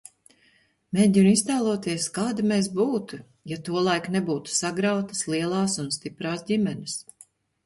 Mēģinu iztēloties, kādi mēs būtu, ja tolaik nebūtu sagrautas lielās un stiprās ģimenes.